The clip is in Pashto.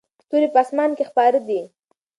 ستوري په اسمان کې خپاره دي.